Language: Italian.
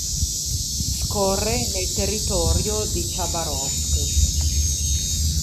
Scorre nel Territorio di Chabarovsk.